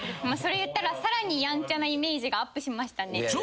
それ言ったらさらにやんちゃなイメージがアップしましたね。